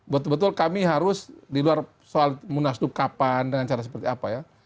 betul betul kami harus di luar soal munaslup kapan dengan cara seperti apa ya